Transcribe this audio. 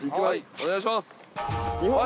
お願いします。